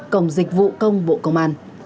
cổng dịch vụ công bộ công an